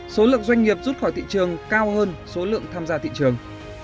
số lượng doanh nghiệp rút khỏi thị trường cao hơn số lượng tham gia thị trường